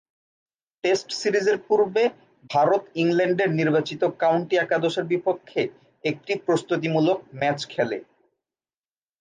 Test সিরিজের পূর্বে ভারত ইংল্যান্ডের নির্বাচিত কাউন্টি একাদশের বিপক্ষে একটি প্রস্তুতিমূলক ম্যাচ খেলে।